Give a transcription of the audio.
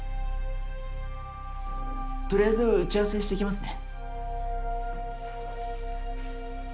とりあえず打ち合わせしてきますね。